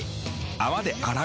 泡で洗う。